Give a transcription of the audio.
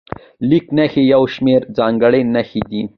لیک نښې یو شمېر ځانګړې نښې دي.